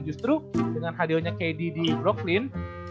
justru dengan hadiahnya kd di brooklyn